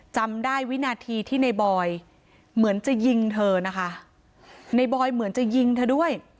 จำได้วินาทีที่ในบอยเหมือนจะยิงเธอนะคะในบอยเหมือนจะยิงเธอด้วย